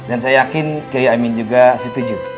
dan saya yakin kyai amin juga setuju